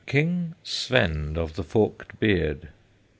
KING SVEND OF THE FORKED BEARD.